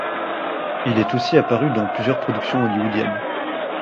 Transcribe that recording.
Il est aussi apparu dans plusieurs productions hollywoodiennes.